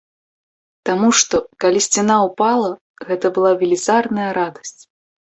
Таму што, калі сцяна ўпала, гэта была велізарная радасць!